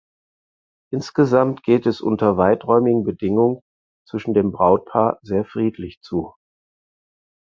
Insgesamt geht es unter weiträumigen Bedingungen zwischen dem Brutpaar sehr friedlich zu.